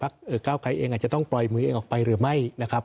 ก้าวไกรเองอาจจะต้องปล่อยมือเองออกไปหรือไม่นะครับ